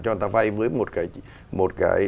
cho người ta vay với một cái